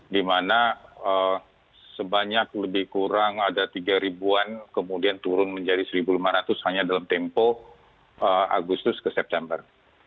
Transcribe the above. di mana sebanyak lebih kurang ada tiga ribuan kemudian turun menjadi satu lima ratus hanya dalam tempo agustus ke september